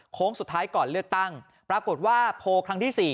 สุดท้ายก่อนเลือกตั้งปรากฏว่าโพลครั้งที่๔